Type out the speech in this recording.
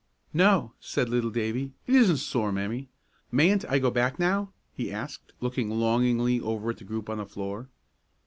"No," said little Davie, "it isn't sore, Mammy. Mayn't I go back, now?" he asked, looking longingly over at the group on the floor.